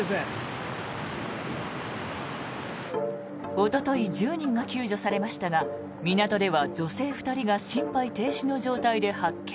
おととい１０人が救助されましたが港では女性２人が心肺停止の状態で発見。